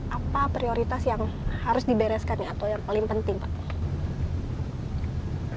apa prioritas yang harus dibereskan atau yang paling penting pak